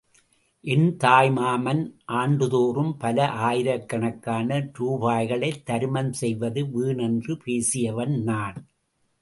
என் தாய் மாமன் ஆண்டுதோறும் பல ஆயிரக்கணக்கான ரூபாய்களைத் தருமம் செய்வது வீண் என்று பேசியவன் நான்.